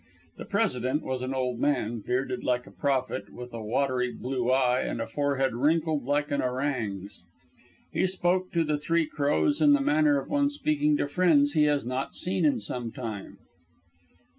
The President was an old man, bearded like a prophet, with a watery blue eye and a forehead wrinkled like an orang's. He spoke to the Three Crows in the manner of one speaking to friends he has not seen in some time.